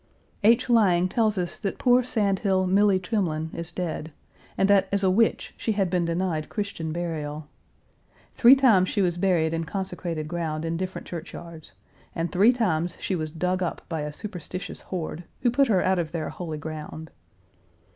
H. Lang tells us that poor Sandhill Milly Trimlin is dead, and that as a witch she had been denied Christian burial. Three times she was buried in consecrated ground in different churchyards, and three times she was dug up by a superstitious horde, who put her out of their holy ground.